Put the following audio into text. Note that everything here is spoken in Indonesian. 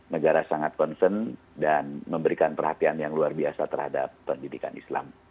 negara sangat concern dan memberikan perhatian yang luar biasa terhadap pendidikan islam